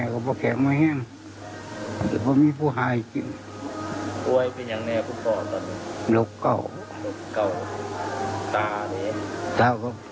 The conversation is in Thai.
เก่าตาตาก็มั่วมั่วมันสวะส่วนคุณแม่นี่ฮันต์นายาเป็นลูกตัวร้อยตัวร้อยที่กันครับ